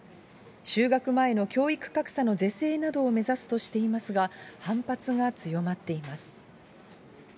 就学前の教育格差の是正などを目指すとしていますが、反発が強まっています。